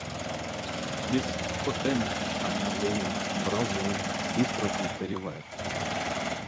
Без постоянных обновлений браузеры быстро устаревают.